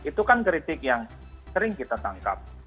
itu kan kritik yang sering kita tangkap